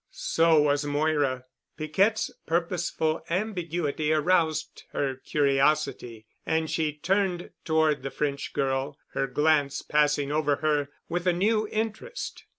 So was Moira. Piquette's purposeful ambiguity aroused her curiosity and she turned toward the French girl, her glance passing over her with a new interest.